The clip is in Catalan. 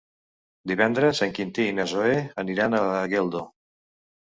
Divendres en Quintí i na Zoè aniran a Geldo.